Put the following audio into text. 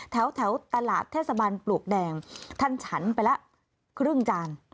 แถวตลาดเทศบาลปลวกแดงท่านฉันไปละครึ่งจาน